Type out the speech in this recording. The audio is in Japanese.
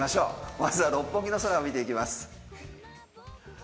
まずは六本木の空を見ていきます。